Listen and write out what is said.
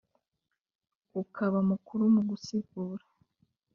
Ukaba mukuru mu gusigura